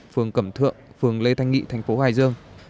phường cẩm thượng phường lê thanh nghị thành phố hải dương